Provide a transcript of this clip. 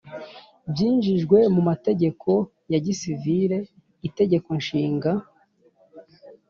byinjijwe mu mategeko ya gisivili (itegeko nshinga &